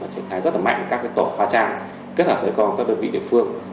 triển khai rất mạnh các tổ phá trang kết hợp với các đơn vị địa phương